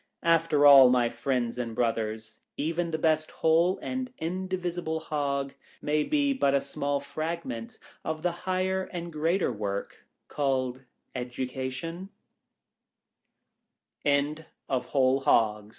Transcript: After all, my friends and brothers, even the best Whole and indivisible Hog may be but a small fragment of the higher and greater work, called Education 1 THE DEALER IN W